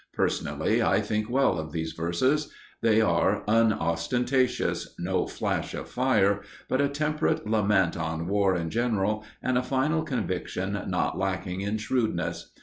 Personally, I think well of these verses. They are unostentatious no flash of fire but a temperate lament on war in general and a final conviction not lacking in shrewdness.